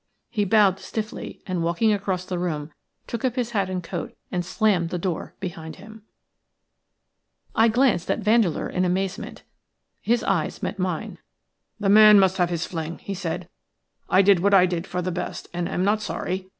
He bowed stiffly, and walking across the room took up his hat and coat and slammed the door behind him. "YOU EXCEED THE LIMITS OF PROPRIETY IN DICTATING TO ME." I glanced at Vandeleur in amazement. His eyes met mine. "The man must have his fling," he said. "I did what I did for the best, and am not sorry.